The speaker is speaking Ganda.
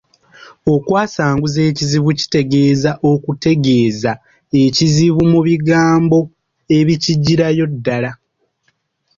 Okwasanguza ekizibu kitegeeza okutegeeza ekizibu mu bigambo ebikijjirayo ddala.